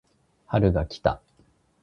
春が来た